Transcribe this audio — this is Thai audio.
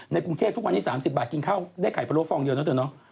กรุงเทพทุกวันนี้๓๐บาทกินข้าวได้ไข่พะโลฟองเดียวนะเธอเนาะ